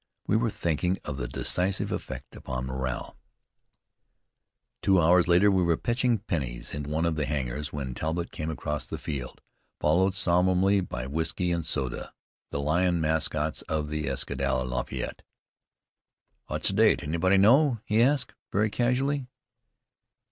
We were thinking of that decisive effect upon morale. Two hours later we were pitching pennies in one of the hangars, when Talbott came across the field, followed solemnly by Whiskey and Soda, the lion mascots of the Escadrille Lafayette. "What's the date, anybody know?" he asked, very casually.